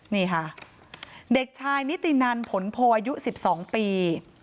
นี่ค่ะเด็กชายนิตินันผลโพอายุ๑๒ปี